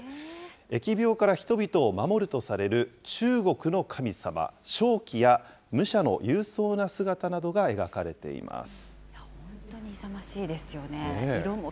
疫病から人々を守るとされる中国の神様、鍾馗や、武者の勇壮な姿などが描かれています。